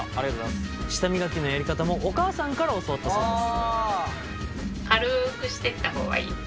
舌磨きのやり方もお母さんから教わったそうです。